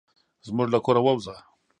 زموږ له کوره ووزه.